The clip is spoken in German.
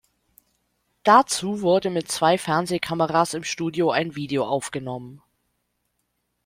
Dazu wurde mit zwei Fernsehkameras im Studio ein Video aufgenommen.